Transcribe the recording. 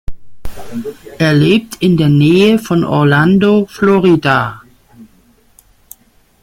Er lebt in der Nähe von Orlando, Florida.